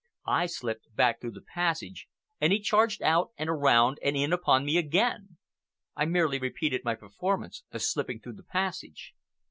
I slipped back through the passage, and he charged out and around and in upon me again. I merely repeated my performance of slipping through the passage.